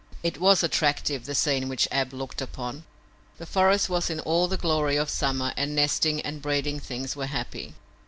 It was attractive, the scene which Ab looked upon. The forest was in all the glory of summer and nesting and breeding things were happy.